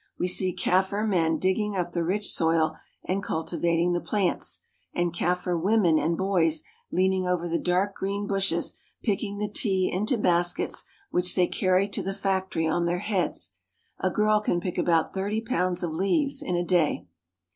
We see Kaffir men digging up the rich soil and cultivating the plants, and Kaffir women and boys leaning over the dark green bushes picking the tea into baskets which they carry to the factory on their heads. A girl can pick about thirty pounds of leaves in a day.